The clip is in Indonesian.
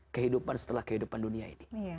kehidupan setelah kehidupan dunia ini